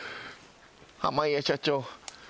濱家社長。